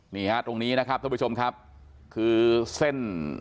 นี่ฮะตรงนี้นะครับท่านผู้ชมครับคือเส้น